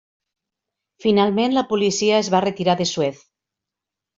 Finalment la policia es va retirar de Suez.